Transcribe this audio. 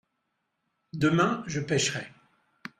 demain je pêcherai.